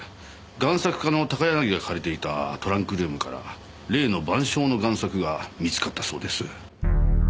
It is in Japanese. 贋作家の高柳が借りていたトランクルームから例の『晩鐘』の贋作が見つかったそうです。